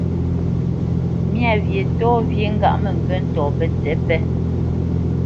Myâ wyê tɔ́ wyê ŋgâʼ mə ŋgyə̂ ntɔ̌ pətsǐ pé.